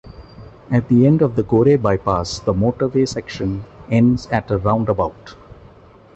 At the end of the Gorey bypass the motorway section ends at a roundabout.